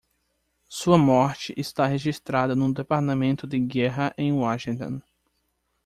Sua morte está registrada no Departamento de Guerra em Washington.